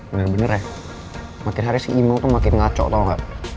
bener bener ya makin hari si imong tuh makin ngaco tau gak